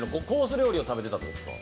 料理を食べてたってことですか？